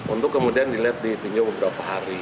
untuk kemudian dilihat di tinjau beberapa hari